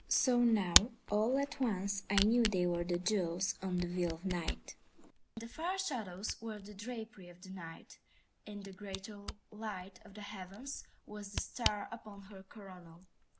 So now all at once I knew they were the jewels on the veil of Night. And the far shadows were the drapery of the Night, and the greater light of the heavens was the star upon her coronal.